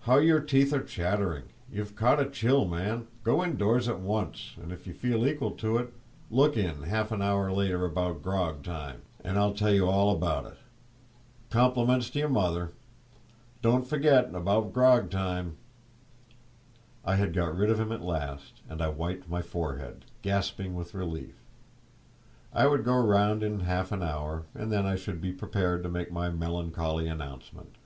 How your teeth are chattering! You've caught a chill, man; go indoors at once, and, if you feel equal to it, look in half an hour later, about grog time, and I'll tell you all about it. Compliments to your mother. Don't forget—about grog time!" I had got rid of him at last, and I wiped my forehead, gasping with relief. I would go round in half an hour, and then I should be prepared to make my melancholy announcement.